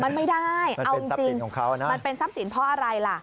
มันไม่ได้เอาจริงของเขานะมันเป็นทรัพย์สินเพราะอะไรล่ะ